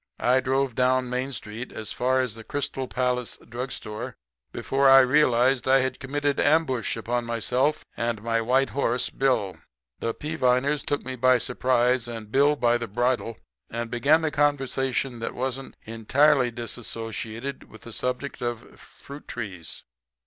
I drove down Main street as far as the Crystal Palace drugstore before I realized I had committed ambush upon myself and my white horse Bill. "The Peaviners took me by surprise and Bill by the bridle and began a conversation that wasn't entirely disassociated with the subject of fruit trees.